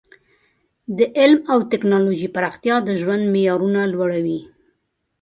د علم او ټکنالوژۍ پراختیا د ژوند معیارونه لوړوي.